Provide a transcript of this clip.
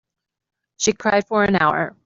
She cried for an hour.